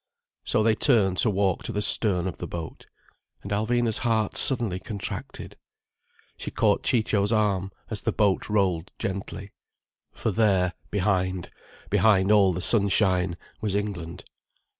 So they turned to walk to the stern of the boat. And Alvina's heart suddenly contracted. She caught Ciccio's arm, as the boat rolled gently. For there behind, behind all the sunshine, was England.